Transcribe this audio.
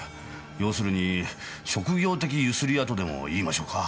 要するに職業的強請り屋とでも言いましょうか。